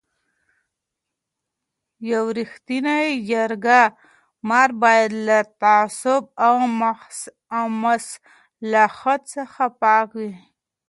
یو رښتینی جرګه مار باید له تعصب او مصلحت څخه پاک وي.